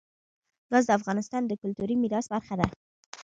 ګاز د افغانستان د کلتوري میراث برخه ده.